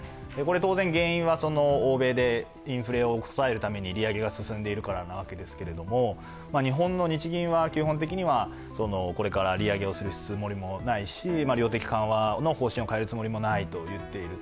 当然、原因は欧米でインフレを抑えるために利上げが進んでいるからなわけですけど、日本の日銀は基本的にはこれから利上げをするつもりもないし量的緩和の方針を変えるつもりもないと言っている。